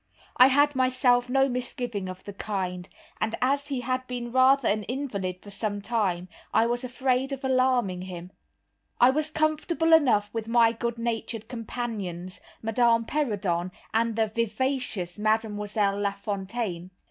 I had myself no misgiving of the kind, and as he had been rather an invalid for some time, I was afraid of alarming him. I was comfortable enough with my good natured companions, Madame Perrodon, and the vivacious Mademoiselle Lafontaine.